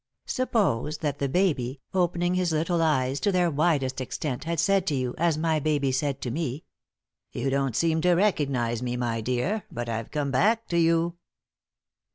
Suppose that the baby, opening his little eyes to their widest extent, had said to you, as my baby said to me: "You don't seem to recognize me, my dear, but I've come back to you."